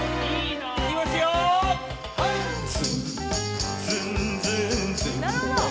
なるほど！